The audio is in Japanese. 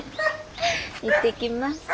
行ってきます。